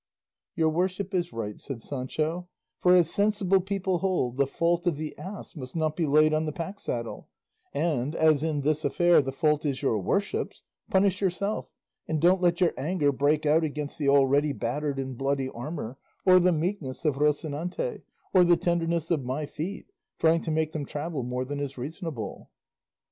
'" "Your worship is right," said Sancho; "for, as sensible people hold, 'the fault of the ass must not be laid on the pack saddle;' and, as in this affair the fault is your worship's, punish yourself and don't let your anger break out against the already battered and bloody armour, or the meekness of Rocinante, or the tenderness of my feet, trying to make them travel more than is reasonable."